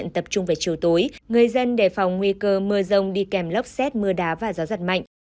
tập trung về chiều tối người dân đề phòng nguy cơ mưa rông đi kèm lốc xét mưa đá và gió giật mạnh